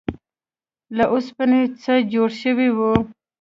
له اوسپنې څخه جوړ شوی و.